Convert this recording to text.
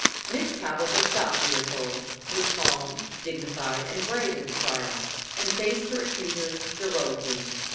Miss Cavell herself, we are told, was calm, dignified and brave at the trial and faced her accusers heroically.